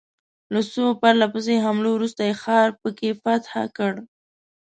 له څو پرله پسې حملو وروسته یې ښار په کې فتح کړ.